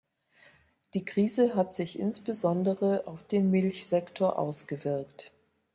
Die Krise hat sich insbesondere auf den Milchsektor ausgewirkt.